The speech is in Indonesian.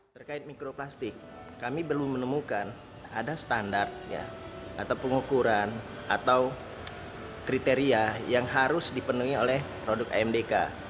terkait mikroplastik kami belum menemukan ada standar atau pengukuran atau kriteria yang harus dipenuhi oleh produk amdk